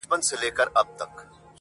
لږ ساړه خوره محتسبه څه دُره دُره ږغېږې-